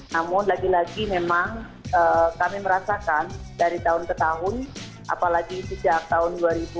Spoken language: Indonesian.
namun lagi lagi memang kami merasakan dari tahun ke tahun apalagi sejak tahun dua ribu